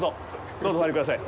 どうぞお入りください。